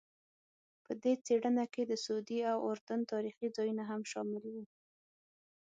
په دې څېړنه کې د سعودي او اردن تاریخي ځایونه هم شامل وو.